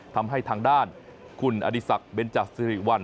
ทางด้านคุณอดีศักดิ์เบนจักรสิริวัล